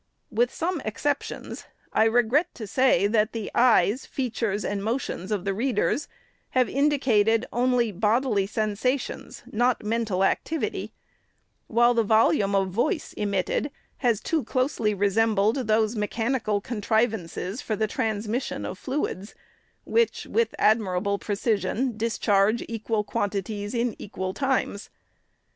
With some exceptions, I regret to say, that the eyes, features, and motions of the readers have indicated only bodily sensations, not mental activity ; while the volume of voice emitted has too closely resembled those mechanical con trivances for the transmission of fluids, which, with ad mi SECOND ANNUAL REPORT. 607 rable precision, discharge equal quantities in equal times.